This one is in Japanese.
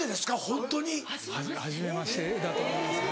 ホントに？はじめましてだと思います。